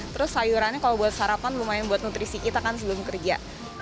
terus sayurannya kalau buat sarapan lumayan buat nutrisi kita kan sebelum kerja